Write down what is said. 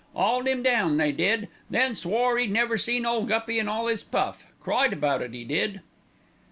'Auled 'im down they did. Then 'e swore 'e'd never seen ole Guppy in all 'is puff, cried about it, 'e did."